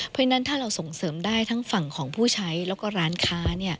เพราะฉะนั้นถ้าเราส่งเสริมได้ทั้งฝั่งของผู้ใช้แล้วก็ร้านค้า